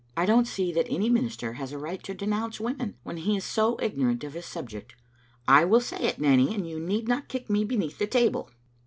I don't see that any minister has a right to denounce women when he is so ignorant of his subject. I will say it, Nanny, and you need not kick me beneath the table."